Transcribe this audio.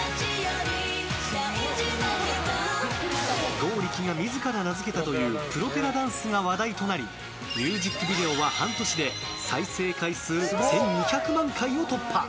剛力自ら名付けたというプロペラダンスが話題となりミュージックビデオは、半年で再生回数１２００万回を突破！